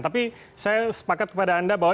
tapi saya sepakat kepada anda bahwa